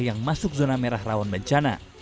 yang masuk zona merah rawan bencana